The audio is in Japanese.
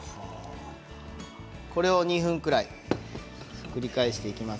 これを２分ぐらい繰り返していきます。